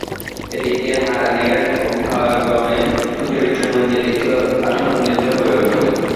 এ দিকে হারানের অভ্যাগমে সুচরিতার মন যেন একটু আশান্বিত হইয়া উঠিল।